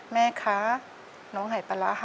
แม่คะน้องไห่ปลาร้าหักนะคะ